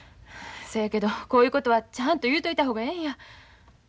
そやけどこういうことはちゃんと言うといた方がええんや。